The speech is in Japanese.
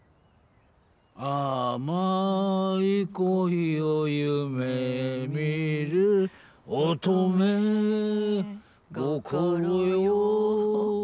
「甘い恋を夢みる乙女ごころよ」